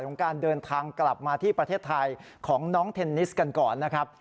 ของการเดินทางกลับมาที่ประเทศไทยของน้องเทนนิสกันก่อนนะครับ